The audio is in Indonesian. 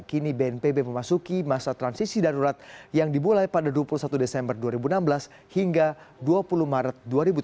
kini bnpb memasuki masa transisi darurat yang dibulai pada dua puluh satu desember dua ribu enam belas hingga dua puluh maret dua ribu tujuh belas